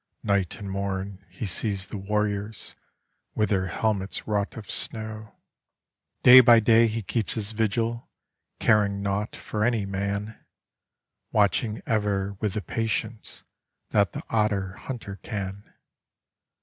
Night and morn he sees the warriors with their helmets wrought of snow. Day by day he keeps his vigil caring naught for any man. Watching ever with the patience that the otter hunter can.